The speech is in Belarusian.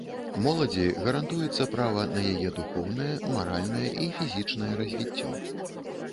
Моладзі гарантуецца права на яе духоўнае, маральнае і фізічнае развіццё.